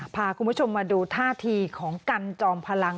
พาคุณผู้ชมมาดูท่าทีของกันจอมพลัง